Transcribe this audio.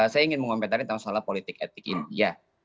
saya ingin mengomentari tentang masalah politik etik ini ya